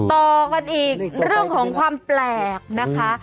ต่อกันอีกเรื่องของความแปลกนะคะ